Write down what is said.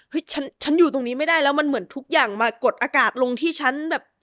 ฉันฉันอยู่ตรงนี้ไม่ได้แล้วมันเหมือนทุกอย่างมากดอากาศลงที่ฉันแบบ